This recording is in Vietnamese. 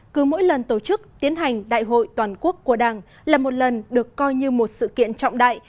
cứ mỗi lần tổ chức tiến hành đại hội toàn quốc của đảng là một lần được coi như một sự kiện trọng đại